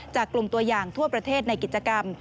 จากกลุ่มตัวอย่างทั่วประเทศในกิจกรรม